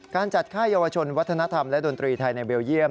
การจัดค่ายเยาวชนวัฒนธรรมและดนตรีไทยในเบลเยี่ยม